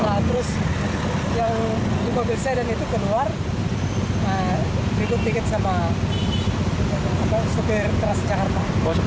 nah terus yang mobil sedan itu keluar berikut tiket sama sopir transjakarta